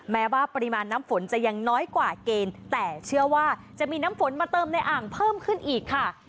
แม้ว่าปริมาณน้ำฝนจะยังน้อยกว่าเกณฑ์แต่เชื่อว่าจะมีน้ำฝนมาเติมในอ่างเพิ่มขึ้นอีกค่ะ